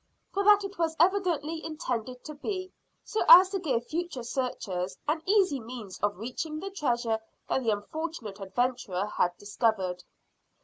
For that it was evidently intended to be, so as to give future searchers an easy means of reaching the treasure that the unfortunate adventurer had discovered.